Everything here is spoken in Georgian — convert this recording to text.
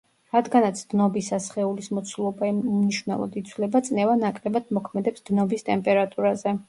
რადგანაც დნობისას სხეულის მოცულობა უმნიშვნელოდ იცვლება, წნევა ნაკლებად მოქმედებს დნობის ტემპერატურაზე.